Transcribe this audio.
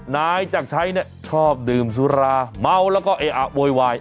นายจักรชัยเนี่ยชอบดื่มสุราเมาแล้วก็เออะโวยวาย